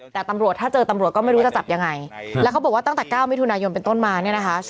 แต่ตำรวจถ้าเจอตำรวจก็ไม่รู้จะจับยังไงแล้วเขาบอกว่าตั้งแต่๙มิถุนายนเป็นต้นมาเนี่ยนะคะ